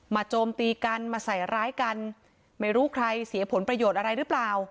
โจมตีกันมาใส่ร้ายกันไม่รู้ใครเสียผลประโยชน์อะไรหรือเปล่า